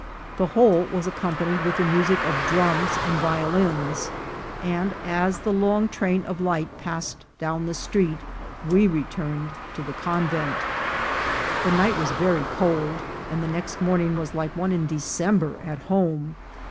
The whole was accompanied with the music of drums and violins ; and, as the long train of light passed down the street, we returned to the convent. The night was very cold, and the next morning was like one in December at home.